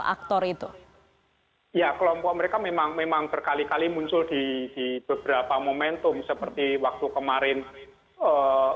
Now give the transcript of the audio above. oke mas thanis tapi kalau misalnya anda lihat tadi anda mengatakan kelompok anarko ini juga beberapa kali sudah disebut oleh polisi